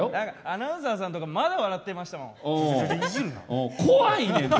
アナウンサーさんとかもまだ笑ってましたもん。